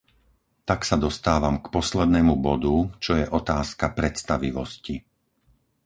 Tak sa dostávam k poslednému bodu, čo je otázka predstavivosti.